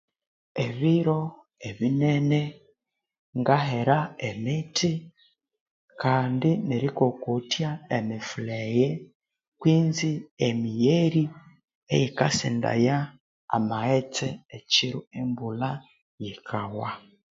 Ebiro ebinene ngahera emithi kandi neri kokothya emifuleghe kwinzi emigheri eyikasendaya amaghetse ekyiro embulha yikawa